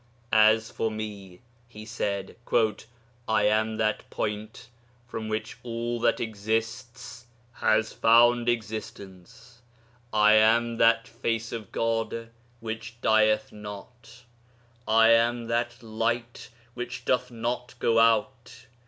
'As for Me,' he said, 'I am that Point from which all that exists has found existence. I am that Face of God which dieth not. I am that Light which doth not go out.